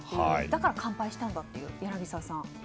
だから乾杯したんだって柳澤さん。